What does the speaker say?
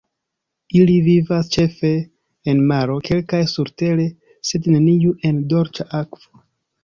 Ili vivas ĉefe en maro, kelkaj surtere, sed neniu en dolĉa akvo.